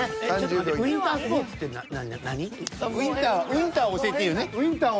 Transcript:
ウィンターは教えていいよね。